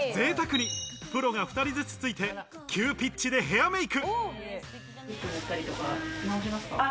ぜいたくにプロが２人ずつついて急ピッチでヘアメイク。